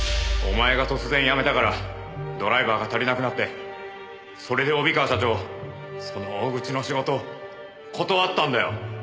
お前が突然辞めたからドライバーが足りなくなってそれで帯川社長その大口の仕事を断ったんだよ。